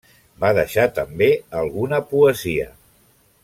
Va deixar també alguna poesia.